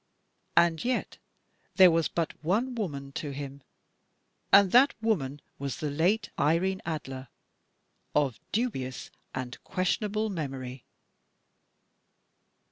And yet there was but one woman to him, and that woman was the late Irene Adler, of dubious and questionable memory.